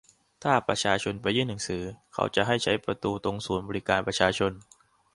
ถ้าประชาชนไปยื่นหนังสือ เขาจะให้ใช้ประตูตรงศูนย์บริการประชาชน